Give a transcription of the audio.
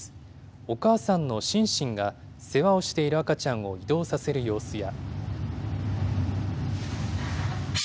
お母さんのシンシンが、世話をしている赤ちゃんを移動させる様子や。